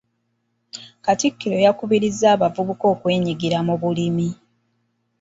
Katikkiro yakubirizza abavubuka okwenyigira mu bulimi.